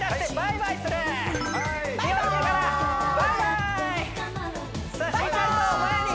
バイバーイ！